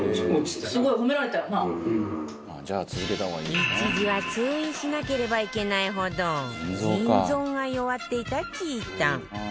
一時は通院しなければいけないほど腎臓が弱っていたちーたん